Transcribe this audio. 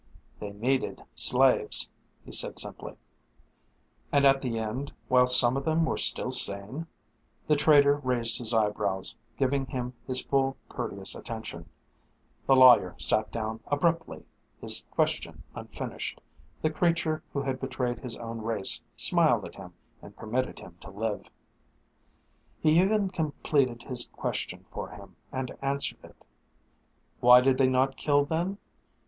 "They needed slaves," he said simply. "And at the end, while some of them were still sane?" The traitor raised his eyebrows, giving him his full courteous attention. The lawyer sat down abruptly, his question unfinished. The creature who had betrayed his own race smiled at him and permitted him to live. He even completed his question for him, and answered it. "Why did they not kill then?